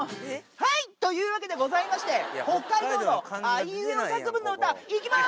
はい、というわけでございまして、北海道のあいうえお作文の歌、いきまーす。